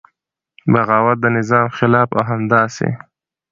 بغاوت د نظام خلاف او همداسې